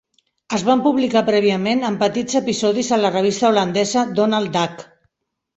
Es van publicar prèviament en petits episodis a la revista holandesa "Donald Duck".